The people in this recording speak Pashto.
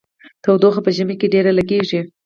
تودوخه په ژمي کې ډیره لګیږي.